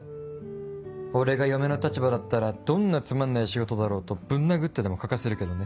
俺が嫁の立場だったらどんなつまんない仕事だろうとぶん殴ってでも描かせるけどね。